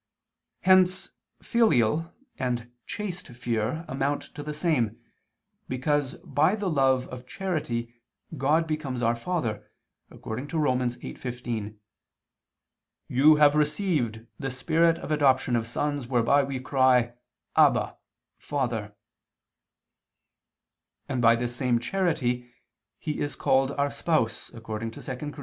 Hence filial and chaste fear amount to the same, because by the love of charity God becomes our Father, according to Rom. 8:15, "You have received the spirit of adoption of sons, whereby we cry: Abba (Father)"; and by this same charity He is called our spouse, according to 2 Cor.